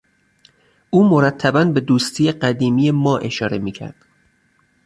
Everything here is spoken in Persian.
او مرتبا به دوستی قدیمی ما اشاره میکرد.